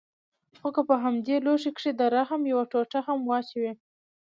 خو که په همدې لوښي کښې د رحم يوه ټوټه هم واچوې.